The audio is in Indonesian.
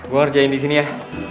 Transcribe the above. gue ngerjain disini ya